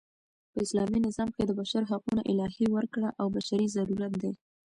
په اسلامي نظام کښي د بشر حقونه الهي ورکړه او بشري ضرورت دئ.